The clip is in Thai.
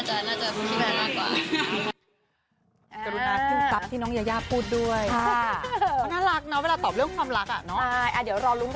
อยากเป็นสักหีพญานในโมเมนต์แบบนี้เรื่อยค่ะ